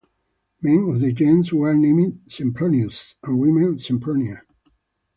Men of the gens were named "Sempronius", and women "Sempronia".